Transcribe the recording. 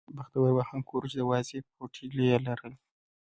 بختور به هغه کور و چې د وازې پوټې یې لرلې.